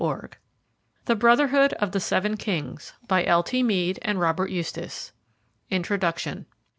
au The Brotherhood of the Seven Kings L. T. Meade and Robert Eustace INTRODUCTION.